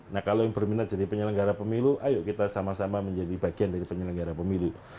nah kalau yang berminat jadi penyelenggara pemilu ayo kita sama sama menjadi bagian dari penyelenggara pemilu